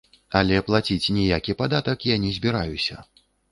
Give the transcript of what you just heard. Але плаціць ніякі падатак я не збіраюся.